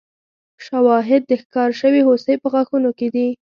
شواهد د ښکار شوې هوسۍ په غاښونو کې دي.